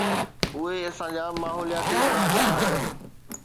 اهي اسان جا ماحولياتي صلاحڪار آهن.